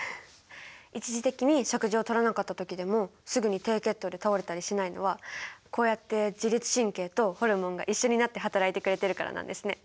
一時的に食事をとらなかった時でもすぐに低血糖で倒れたりしないのはこうやって自律神経とホルモンが一緒になって働いてくれているからなんですね。